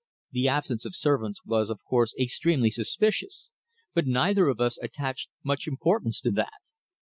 The absence of servants was of course extremely suspicious, but neither of us attached much importance to that.